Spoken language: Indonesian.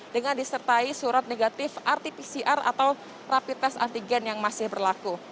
dengan disertai surat negatif rt pcr atau rapi tes antigen yang masih berlaku